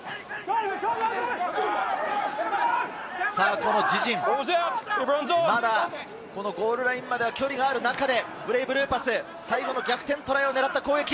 この自陣、まだゴールラインまでは距離がある中で、ブレイブルーパス、最後の逆転トライを狙った攻撃。